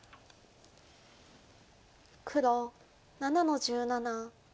黒７の十七。